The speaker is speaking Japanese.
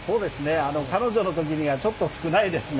彼女の時にはちょっと少ないですね。